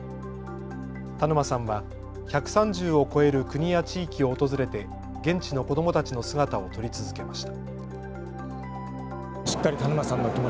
田沼さんは１３０を超える国や地域を訪れて現地の子どもたちの姿を撮り続けました。